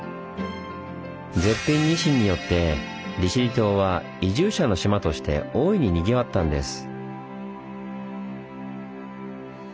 絶品ニシンによって利尻島は「移住者の島」として大いににぎわったんです。